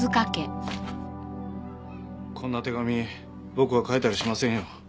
こんな手紙僕は書いたりしませんよ。